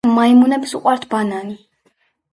მაიმუნებს უყვართ ბანანი